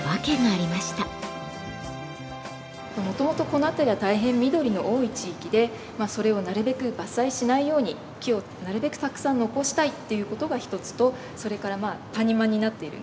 もともとこの辺りは大変緑の多い地域でそれをなるべく伐採しないように木をなるべくたくさん残したいっていう事が一つとそれからまあ谷間になっているんですが。